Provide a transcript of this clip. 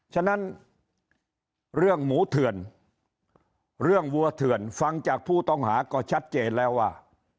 ฉะนั้นเรื่องหมูเถื่อนเรื่องวัวเถื่อนฟังจากผู้ต้องหาก็ชัดเจนแล้วว่า